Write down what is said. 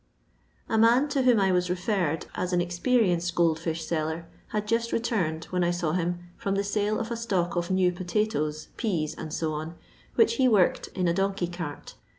A man, to whom I was referred as an expe rienced gold fish seller, had just returned, when I saw him, from the sale of a stock of new potatoes, peas, &c, which he worked" in a donkey cart.